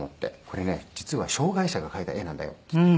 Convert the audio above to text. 「これね実は障がい者が描いた絵なんだよ」っつって。